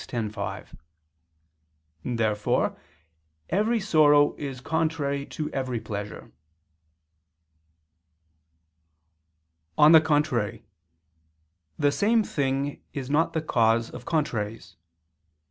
_ x, 5. Therefore every sorrow is contrary to every pleasure. On the contrary, The same thing is not the cause of contraries.